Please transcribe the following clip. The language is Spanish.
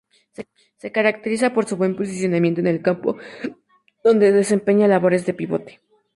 Se caracteriza por su buen posicionamiento en el campo, donde desempeña labores de pivote.